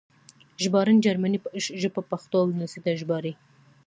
ژباړن جرمنۍ ژبه پښتو او انګلیسي ته ژباړي